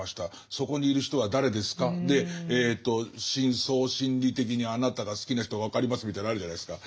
そこにいる人は誰ですか？」で深層心理的にあなたが好きな人が分かりますみたいなのあるじゃないですか。